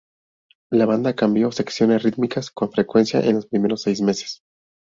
La banda cambió secciones rítmicas con frecuencia en los primeros seis meses.